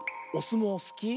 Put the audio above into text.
もうすき？